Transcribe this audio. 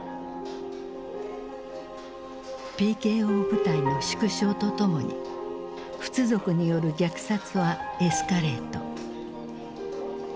ＰＫＯ部隊の縮小とともにフツ族による虐殺はエスカレート。